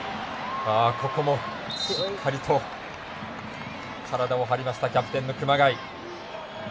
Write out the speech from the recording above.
ここもしっかりと体を張りましたキャプテンの熊谷。